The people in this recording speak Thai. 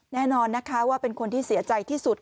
แน่นอนนะคะว่าเป็นคนที่เสียใจที่สุด